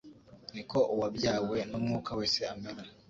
Ni ko uwabyawe n’Umwuka wese amera.”